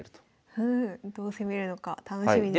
どう攻めるのか楽しみです。